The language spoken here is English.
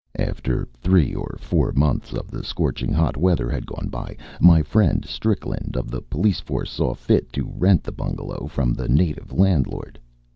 After three or four months of the scorching hot weather had gone by, my friend Strickland, of the police force, saw fit to rent the bungalow from the native landlord.